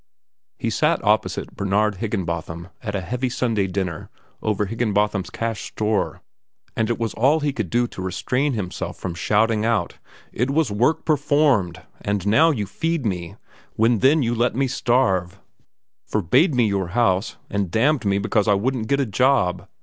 He sat opposite Bernard Higginbotham at a heavy Sunday dinner over Higginbotham's Cash Store, and it was all he could do to restrain himself from shouting out: "It was work performed! And now you feed me, when then you let me starve, forbade me your house, and damned me because I wouldn't get a job.